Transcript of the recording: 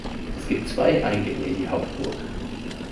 Es gibt zwei Eingänge in die Hauptburg.